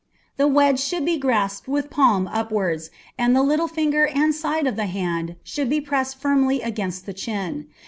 The wedge should be grasped with the palm upwards, and the little finger and side of the hand should be pressed firmly against the chin.